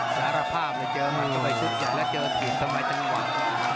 สารภาพเลยเจอมันก็ไปชุดใหญ่แล้วเจอทีมทำไมจะน้องหวาน